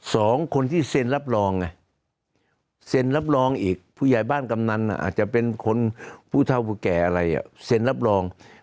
สองคนที่เซ็นรับรองไงเซ็นรับรองอีกผู้ใหญ่บ้านกำนันอาจจะเป็นคนผู้เท่าผู้แก่อะไรเซ็นรับรอง